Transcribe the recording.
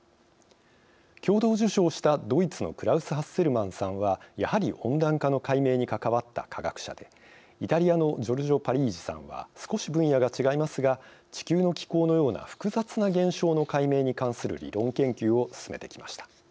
共同受賞した、ドイツのクラウス・ハッセルマンさんはやはり温暖化の解明に関わった科学者でイタリアのジョルジョ・パリージさんは少し分野が違いますが地球の気候のような複雑な現象の解明に関する理論研究を進めてきました。